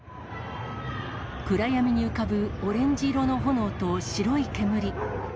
暗闇に浮かぶオレンジ色の炎と白い煙。